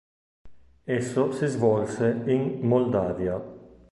Esso si svolse in Moldavia.